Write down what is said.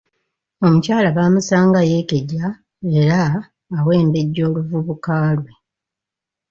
Omukyala bamusanga yeekeja era awembejja oluvubuka lwe.